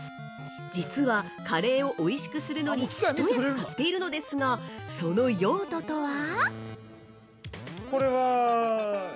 実はカレーをおいしくするのに一役買っているのですが、その用途とは？